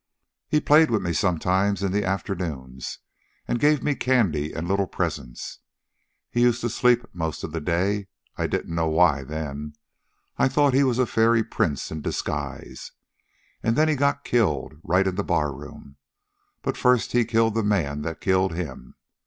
He played with me sometimes, in the afternoon, and gave me candy and little presents. He used to sleep most of the day. I didn't know why, then. I thought he was a fairy prince in disguise. And then he got killed, right in the bar room, but first he killed the man that killed him.